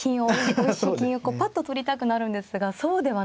おいしい金をパッと取りたくなるんですがそうではないと。